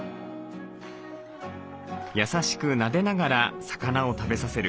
優しくなでながら魚を食べさせる。